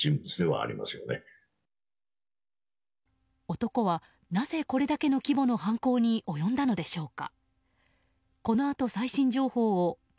男はなぜ、これだけの規模の犯行に及んだのでしょうか。